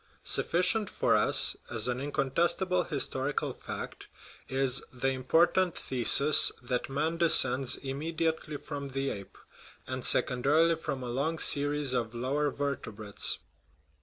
Sufficient for us, as an incontestable his torical fact, is the important thesis that man descends immediately from the ape, and secondarily from a long series of lower vertebrates.